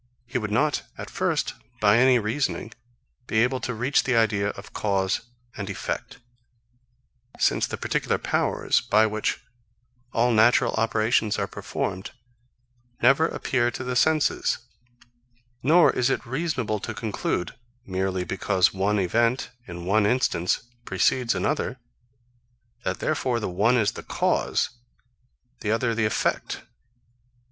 He would not, at first, by any reasoning, be able to reach the idea of cause and effect; since the particular powers, by which all natural operations are performed, never appear to the senses; nor is it reasonable to conclude, merely because one event, in one instance, precedes another, that therefore the one is the cause, the other the effect.